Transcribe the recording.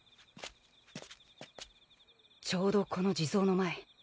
ちょうどこの地蔵の前。